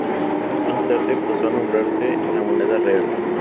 Más tarde pasó a nombrarse "La Moneda Real".